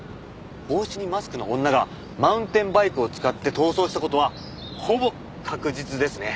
帽子にマスクの女がマウンテンバイクを使って逃走した事はほぼ確実ですね。